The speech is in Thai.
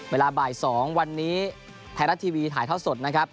เวลาบ่าย๒วันนี้ไทยรัฐทีวีถ่ายท่อสดนะครับ